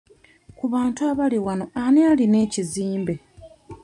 Ku bantu abali wano ani alina ekizimbe?